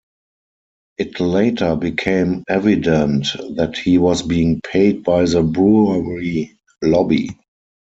It later became evident that he was being paid by the brewery lobby.